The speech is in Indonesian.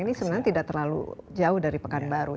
ini sebenarnya tidak terlalu jauh dari pekanbaru